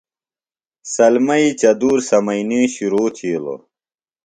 سلمئی چدُور سمئنی شرو تھِیلوۡ۔